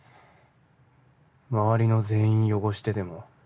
周りの全員汚してでも